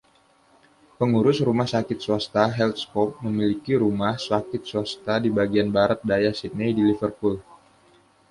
Pengurus rumah sakit swasta, Healthscope, memiliki Rumah Sakit Swasta di bagian Barat Daya Sydney di Liverpool.